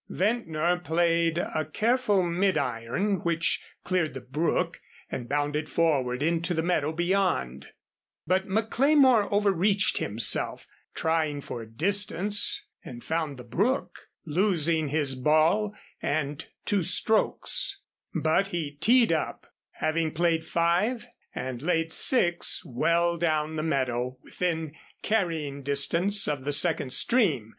Ventnor played a careful mid iron which cleared the brook and bounded forward into the meadow beyond; but McLemore overreached himself trying for distance and found the brook, losing his ball and two strokes; but he teed up, having played five and lay six well down the meadow, within carrying distance of the second stream.